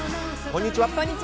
こんにちは。